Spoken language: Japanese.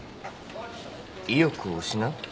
意欲を失う？